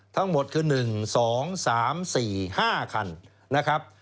ทั้งหมดคือ๑๒๓๔๕คัน